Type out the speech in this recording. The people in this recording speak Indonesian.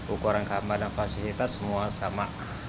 ukuran kamar dan fasilitas semua sama